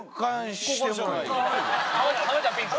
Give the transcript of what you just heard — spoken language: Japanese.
・濱ちゃんピンク。